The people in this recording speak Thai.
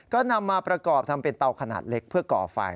ก็นำมาประกอบทำเป็นเตาขนาดเล็กเพื่อก่อไฟ